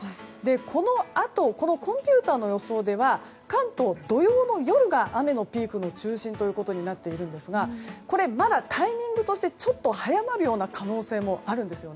このあとコンピューターの予想では関東は土曜の夜が雨のピークの中心となっているんですがまだタイミングとしてちょっと早まるような可能性もあるんです。